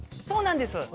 そうなんです